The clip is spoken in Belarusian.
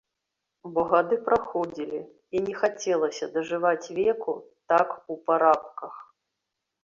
Бо гады праходзілі, і не хацелася дажываць веку так у парабках.